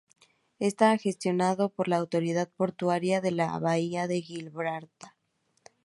Esta gestionado por la autoridad portuaria de la bahía de Gibraltar.